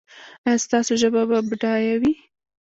ایا ستاسو ژبه به بډایه وي؟